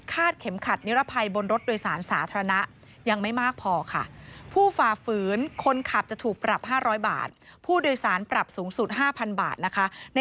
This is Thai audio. คาดเข็มขัดนิลภัยบนรถโดยสารสาธารณะ